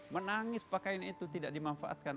menangis pakaian itu tidak dimanfaatkan